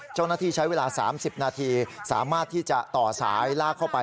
เจ้าหน้าที่ใช้เวลา๓๐นาทีสามารถที่จะต่อสายลากเข้าไป